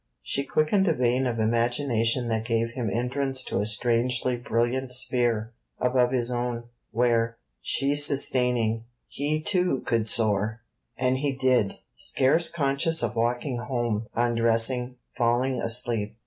She quickened a vein of imagination that gave him entrance to a strangely brilliant sphere, above his own, where, she sustaining, he too could soar; and he did, scarce conscious of walking home, undressing, falling asleep.